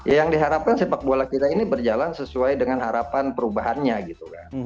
ya yang diharapkan sepak bola kita ini berjalan sesuai dengan harapan perubahannya gitu kan